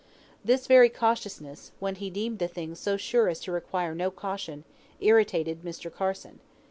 This very cautiousness, when he deemed the thing so sure as to require no caution, irritated Mr. Carson.